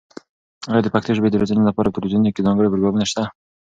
ایا د پښتو ژبې د روزنې لپاره په تلویزیونونو کې ځانګړي پروګرامونه شته؟